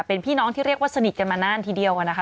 เป็นพี่น้องที่เรียกว่าสนิทกันมานานทีเดียวนะคะ